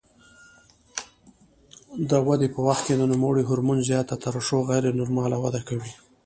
د ودې په وخت کې د نوموړي هورمون زیاته ترشح غیر نورماله وده کوي.